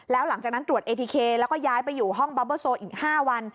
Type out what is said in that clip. แล้วหลังจากนั้นตรวจเอทีเคแล้วก็ย้ายไปอยู่ห้องบับเบอร์โซอีก๕วัน